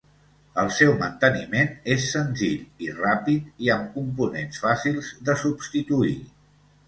El seu manteniment és senzill i ràpid i amb components fàcils de substituir.